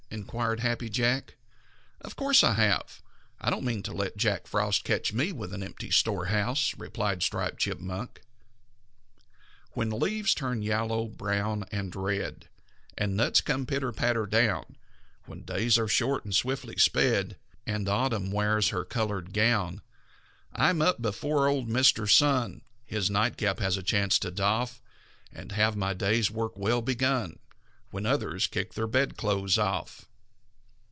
inquired Happy Jack. "Of course I have. I don't mean to let Jack Frost catch me with an empty storehouse," replied Striped Chipmunk. "When leaves turn yellow, brown, and red, And nuts come pitter, patter down; When days are short and swiftly sped, And Autumn wears her colored gown, I'm up before old Mr. Sun His nightcap has a chance to doff, And have my day's work well begun When others kick their bedclothes off."